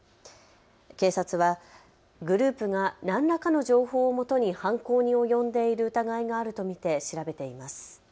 警察はグループが何らかの情報をもとに犯行に及んでいる疑いがあると見て調べています。